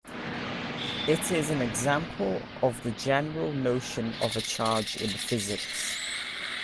It is an example of the general notion of a charge in physics.